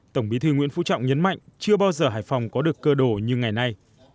tổng bí thư nguyễn phú trọng nhấn mạnh chưa bao giờ hải phòng có được cơ đồ như ngày nay